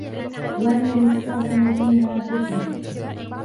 وَمَنْ اسْتَغْنَى فِيهَا فُتِنَ